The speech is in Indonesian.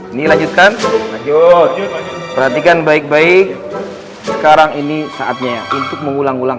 ini lanjutkan lanjut perhatikan baik baik sekarang ini saatnya ya untuk mengulang ulang